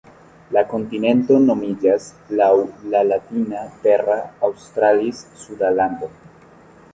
La kontinento nomiĝas laŭ la latina "terra australis", suda lando.